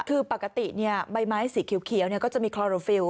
คือปกติใบไม้สีเขียวก็จะมีคอโรฟิลล